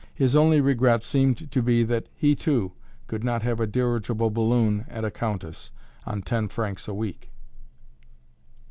His only regret seemed to be that he, too, could not have a dirigible balloon and a countess on ten francs a week!